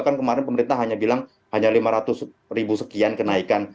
kan kemarin pemerintah hanya bilang hanya lima ratus ribu sekian kenaikan